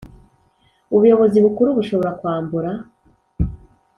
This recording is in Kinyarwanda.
Ubuyobozi Bukuru bushobora kwambura